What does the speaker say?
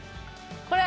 これ。